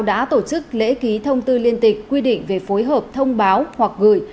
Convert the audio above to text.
đã tổ chức lễ ký thông tư liên tịch quy định về phối hợp thông báo hoặc gửi